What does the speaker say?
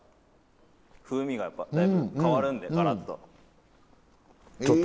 風味がやっぱだいぶ変わるんでがらっと。